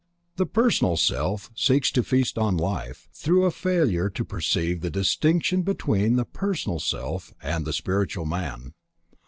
The personal self seeks to feast on life, through a failure to perceive the distinction between the personal self and the spiritual man.